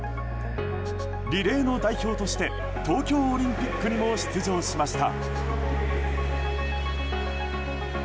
リレーの代表として東京オリンピックにも出場しました。